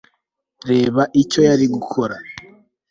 reba icyo yari gukora